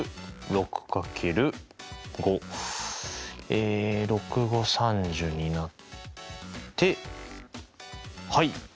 え６×５＝３０になってはい。